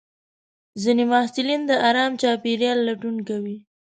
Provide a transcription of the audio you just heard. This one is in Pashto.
ځینې محصلین د ارام چاپېریال لټون کوي.